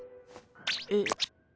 えっ？